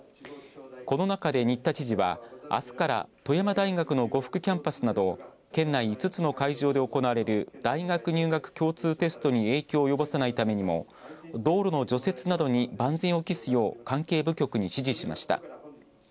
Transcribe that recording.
この中で新田知事はあすから富山大学の五福キャンパスなど県内５つの会場で行われる大学入学共通テストに影響を及ぼさないためにも道路の除雪などに万全を期すよう関係部局に指示しました。